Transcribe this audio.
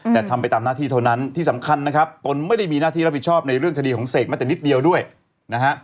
แต่ทำไปตามหน้าที่เท่านั้นที่สำคัญนะครับตนไม่ได้มีหน้าที่รับผิดชอบในเรื่องคดีของเสกแม้แต่นิดเดียวด้วยนะฮะ